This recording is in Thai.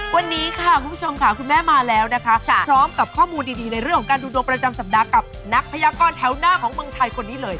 วันนี้ค่ะคุณผู้ชมค่ะคุณแม่มาแล้วนะคะพร้อมกับข้อมูลดีในเรื่องของการดูดวงประจำสัปดาห์กับนักพยากรแถวหน้าของเมืองไทยคนนี้เลย